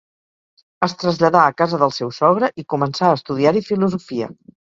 Es traslladà a casa del seu sogre i començà a estudiar-hi filosofia.